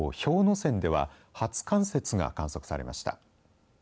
山では初冠雪が観測されました。